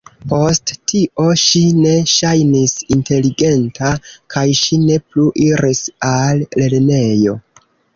Post tio, ŝi ne ŝajnis inteligenta kaj ŝi ne plu iris al lernejo.